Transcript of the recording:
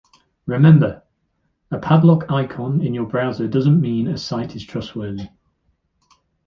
Remember, a padlock icon in your browser doesn’t mean a site is trustworthy.